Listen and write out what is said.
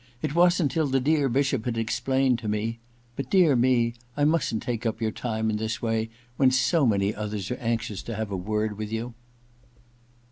It wasn't till the dear Bishop had explained to* me — but, dear me, I mustn't take up your time in this way when so many others are anxious to have a word with you.'